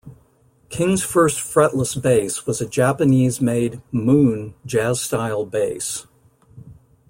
King's first fretless bass was a Japanese-made "Moon" Jazz-style bass.